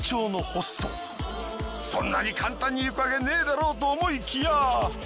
そんなに簡単にいくわけねえだろうと思いきや。